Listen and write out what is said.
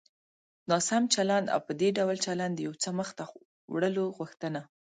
ناسم چلند او په دې ډول چلند د يو څه مخته وړلو غوښتنه.